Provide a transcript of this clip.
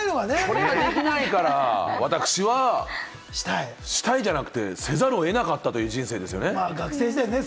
それができないから私はしたい、したいじゃなくて、せざるを得なかった人生ですよね。